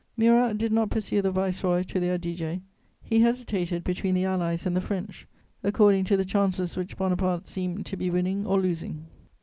Murat did not pursue the Viceroy to the Adige; he hesitated between the Allies and the French, according to the chances which Bonaparte seemed to be winning or losing.